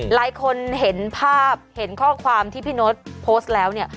หลายคนเห็นภาพเห็นข้อความที่พี่โน๊ตโพสต์แล้วเนี่ย